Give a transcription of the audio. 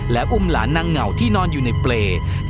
และอุ้มหลานนางเหงาที่นอนอยู่ในเปรย์